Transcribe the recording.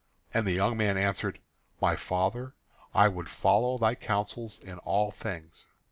And the young man answered: "My father, I would follow thy counsels in all things."